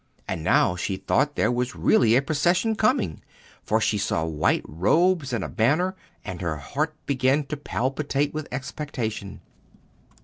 And now she thought there was really a procession coming, for she saw white robes and a banner, and her heart began to palpitate with expectation.